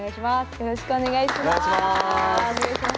よろしくお願いします。